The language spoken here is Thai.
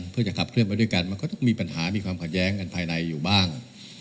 เพื่อจะขับเคลื่อนไปด้วยกันมันก็ต้องมีปัญหามีความขัดแย้งกันภายในอยู่บ้าง